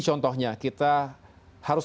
contohnya kita harus